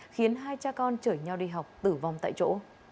khiến hai cha con chở nhau đi học tử vong tại chỗ